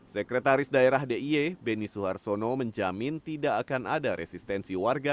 sekretaris daerah d i e beni suharsono menjamin tidak akan ada resistensi warga